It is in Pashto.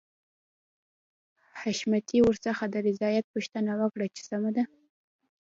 حشمتي ورڅخه د رضايت پوښتنه وکړه چې سمه ده.